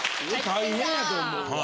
大変やと思うわ。